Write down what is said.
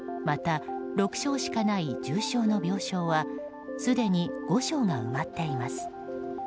また６床しかない重症の病床はすでに５床が埋まっています。